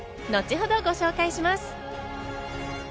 後ほどご紹介します。